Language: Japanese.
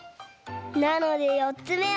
なのでよっつめは。